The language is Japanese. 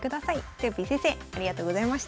とよぴー先生ありがとうございました。